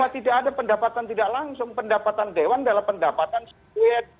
kalau tidak ada pendapatan tidak langsung pendapatan dewan adalah pendapatan sekuit